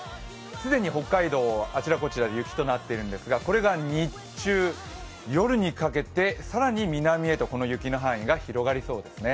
既に北海道あちらこちら雪となっているんですがこれが日中、夜にかけて更に南へと雪の範囲が広がりそうです。